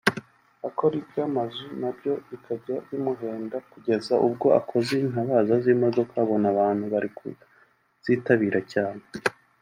akora iby’amazu nabyo bikajya bimuhenda kugeza ubwo akoze intabaza z’imodoka abona abantu bari kuzitabira cyane